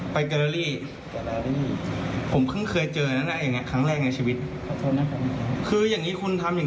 ฟังมึงฟัง